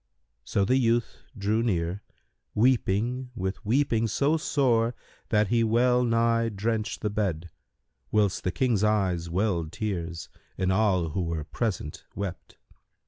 So the youth drew near, weeping with weeping so sore, that he well nigh drenched the bed, whilst the King's eyes welled tears and all who were present wept.